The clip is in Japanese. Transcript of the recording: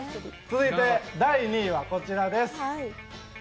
続いて第２位はこちらです。